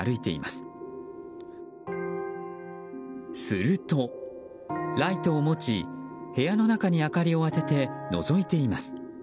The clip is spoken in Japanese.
すると、ライトを持ち部屋の中に明かりを当てて、のぞいています。